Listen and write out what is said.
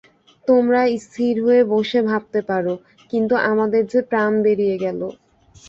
তোমরা স্থির হয়ে বসে ভাবতে পার, কিন্তু আমাদের যে প্রাণ বেরিয়ে গেল।